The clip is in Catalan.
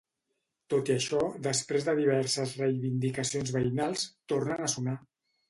Tot i això, després de diverses reivindicacions veïnals, tornen a sonar.